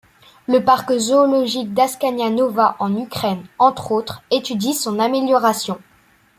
Le parc zoologique d'Askaniya-Nova en Ukraine, entre autres, étudie son amélioration.